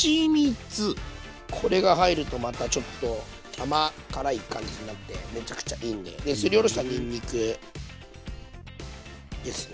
これが入るとまたちょっと甘辛い感じになってめちゃくちゃいいんで。ですりおろしたにんにくですね。